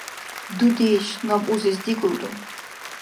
– Дудеш, наб узес дигулра.